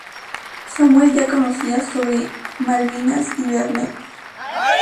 Samuel ya conocía sobre Malvinas y Vernet.